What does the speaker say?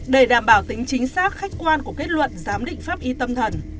để đảm bảo tính chính xác khách quan của kết luận giám định pháp y tâm thần